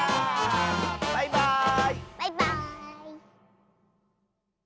バイバーイ！